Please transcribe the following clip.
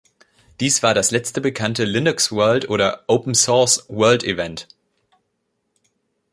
Dies war das letzte bekannte LinuxWorld oder OpenSource World-Event.